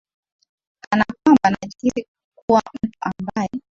kana kwamba najihisi kuwa mtu ambaye